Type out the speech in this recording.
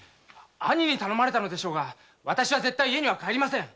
兄に頼まれたのでしょうが家には帰りません。